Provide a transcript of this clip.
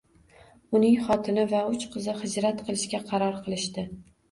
Uning xotini va uch qizi hijrat qilishga qaror kilishdi